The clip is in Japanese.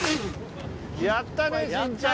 やったね慎ちゃん。